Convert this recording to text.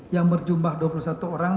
yang berjumlah dua puluh satu orang